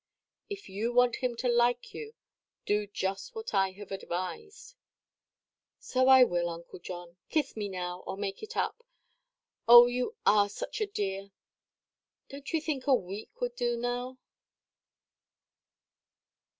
"If you want him to like you, do just what I have advised." "So I will, Uncle John. Kiss me now, to make it up. Oh, you are such a dear!—donʼt you think a week would do, now?"